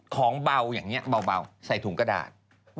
ของเบาอย่างนี้เบาใส่ถุงกระดาษ